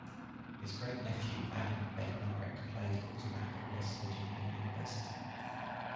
His great-nephew, Adam Bednarik, played quarterback at West Virginia University.